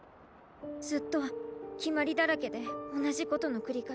ずっときまりだらけでおなじことのくりかえし。